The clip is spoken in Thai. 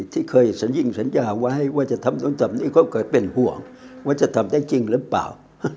ที่เคยสัญญิงสัญญาไว้ว่าจะทำนู่นทำนี่ก็เคยเป็นห่วงว่าจะทำได้จริงหรือเปล่า